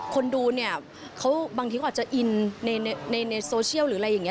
คนดูเนี่ยเขาบางทีเขาอาจจะอินในโซเชียลหรืออะไรอย่างนี้